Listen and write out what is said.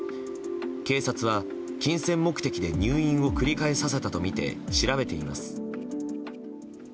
警察は金銭目的で入院を繰り返させたとみて調べています。